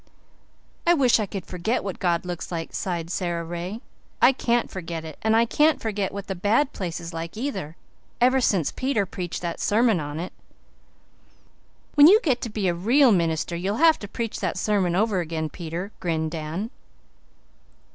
"I wish I could forget what God looks like," sighed Sara Ray. "I can't forget it and I can't forget what the bad place is like either, ever since Peter preached that sermon on it." "When you get to be a real minister you'll have to preach that sermon over again, Peter," grinned Dan.